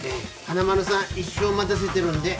華丸さん一生待たせてるんで。